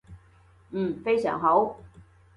嗯，非常好